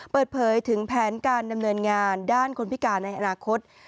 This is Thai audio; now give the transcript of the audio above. เปิดเผยถึงแผนการดำเนินงานด้านคนพิการในอนาคต